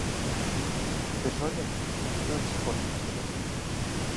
Persoalmente, estou en desacordo con este método.